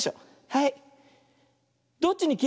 はい。